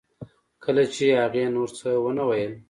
کله چې هغې نور څه ونه ویل